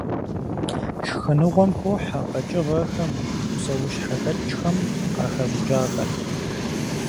Шхыныгъуэм хохьэ къэкӀыгъэхэм, псэущхьэхэкӀхэм къыхэщӀыкӀахэр.